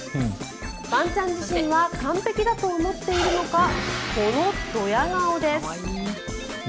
ワンちゃん自身は完璧だと思っているのかこのドヤ顔です。